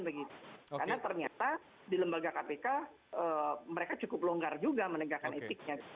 karena ternyata di lembaga kpk mereka cukup longgar juga menegakkan etiknya